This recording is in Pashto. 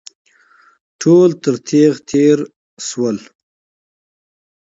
ټول تر تېغ تېر شول.